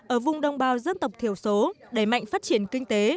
ở vùng đông bao dân tộc thiểu số đẩy mạnh phát triển kinh tế